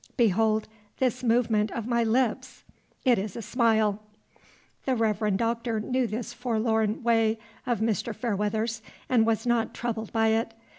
Behold this movement of my lips! It is a smile." The Reverend Doctor knew this forlorn way of Mr. Fairweather's, and was not troubled by it.